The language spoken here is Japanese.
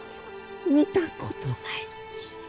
見たことないき。